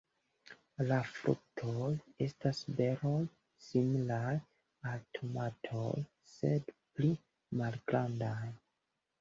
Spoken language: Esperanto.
La fruktoj estas beroj similaj al tomatoj, sed pli malgrandaj.